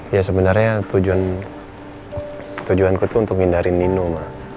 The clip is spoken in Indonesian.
ya sebenarnya tujuan tujuan ku tuh untuk ngindarin nino ma